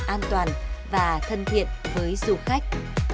an toàn và thân thiện với du khách